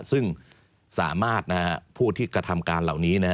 ซึ่งสามารถผู้ที่กระทำการเหล่านี้